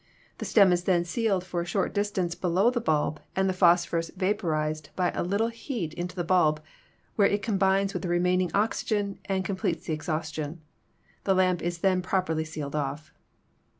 The stem is then sealed a short distance below the bulb and the phosphorus vaporized by a little heat into the bulb, where it combines with the remaining oxygen and completes the exhaustion. The lamp is then properly sealed off.